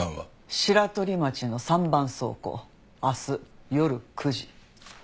白取町の３番倉庫明日夜９時。